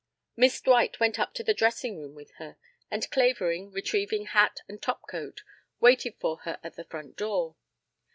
Miss Dwight went up to the dressing room with her, and Clavering, retrieving hat and top coat, waited for her at the front door.